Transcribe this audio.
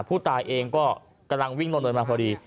ผู้ตายเองก็กำลังวิ่งลงเนินมาพอดี